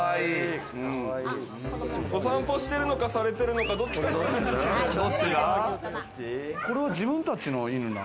お散歩してるのかされてるのか、どっちかな？